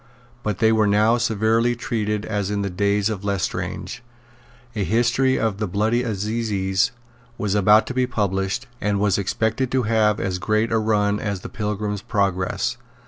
But they were now as severely treated as in the days of Lestrange. A History of the Bloody Assizes was about to be published, and was expected to have as great a run as the Pilgrim's Progress.